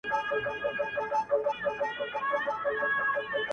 گراني بس څو ورځي لا پاته دي.